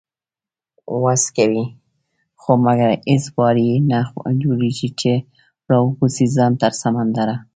وس کوي خو مګر هیڅ وار یې نه جوړیږي، چې راوباسي ځان تر سمندره